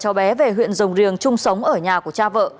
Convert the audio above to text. cháu bé về huyện rồng riềng chung sống ở nhà của cha vợ